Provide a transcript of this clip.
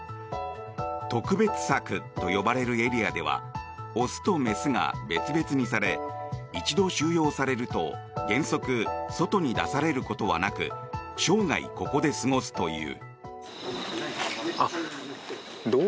特別柵と呼ばれるエリアでは雄と雌が別々にされ一度収容されると原則、外に出されることはなく生涯、ここで過ごすという。